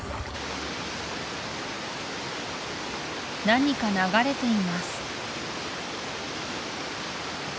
何か流れています